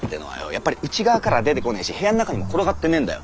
やっぱり内側からは出てこねーし部屋の中にも転がってねーんだよ。